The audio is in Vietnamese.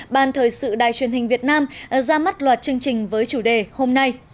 ban thời sự đài truyền hình việt nam ra mắt loạt chương trình với chủ đề hôm nay